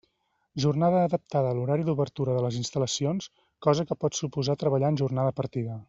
Jornada adaptada a l'horari d'obertura de les instal·lacions, cosa que pot suposar treballar en jornada partida.